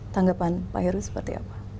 tanggapan pak heru seperti apa